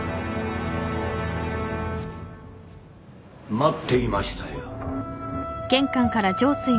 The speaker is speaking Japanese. ・待っていましたよ。